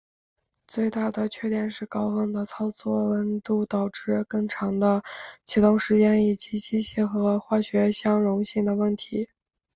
最大的缺点是高温的操作温度导致更长的启动时间以及机械和化学相容性的问题。